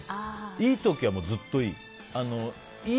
いい時はずっといい。